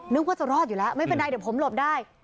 นึกว่าจะรอดอยู่แล้วไม่เป็นไรเดี๋ยวผมหลบได้